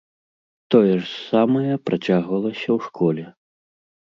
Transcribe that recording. Тое ж самае працягвалася ў школе.